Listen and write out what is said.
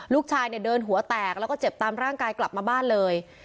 ลูกชายเนี่ยเดินหัวแตกแล้วก็เจ็บตามร่างกายกลับมาบ้านเลย